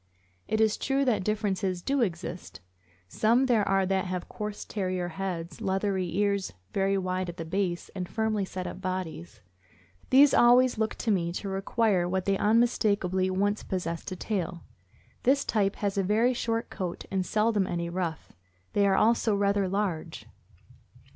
It is true that differences do exist. Some there are that have coarse Terrier heads, leathery ears very wide at the base, and firmly set up bodies; these always look to me to require what they unmistakably once possessed— a tail. This type has a very short coat and seldom any ruff; they are also rather large.